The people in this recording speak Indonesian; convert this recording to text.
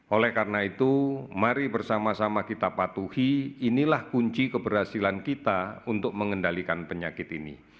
oleh karena itu mari bersama sama kita patuhi inilah kunci keberhasilan kita untuk mengendalikan penyakit ini